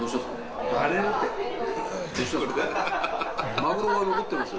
マグロが残ってますよ。